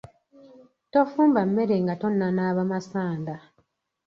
Tofumba mmere nga tonnanaaba masanda.